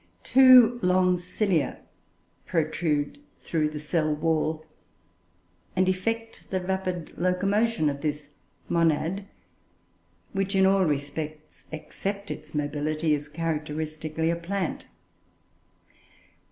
Two long cilia protrude through the cell wall, and effect the rapid locomotion of this "monad," which, in all respects except its mobility, is characteristically a plant.